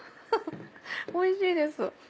おいしいです。